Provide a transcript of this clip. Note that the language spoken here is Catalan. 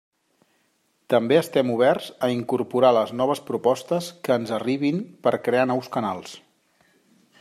També estem oberts a incorporar les noves propostes que ens arribin per crear nous canals.